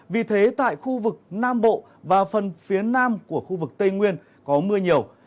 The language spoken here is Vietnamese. vì thế tại khu vực nam bộ và phần phía nam của khu vực tây nguyên có mưa nhiều